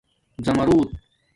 زَماروت